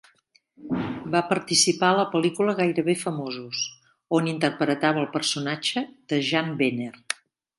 Va participar a la pel·lícula "Gairebé famosos", on interpretava el personatge de Jann Wenner.